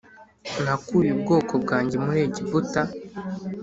Nakuye ubwoko bwanjye muri Egiputa